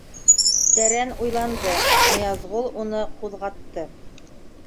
Тәрән уйланды, Ныязғол уны ҡуҙғатты.